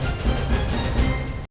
saya sudah berhenti